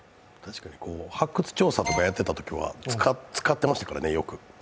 発掘調査とかやってたときは使ってましたからね、よく。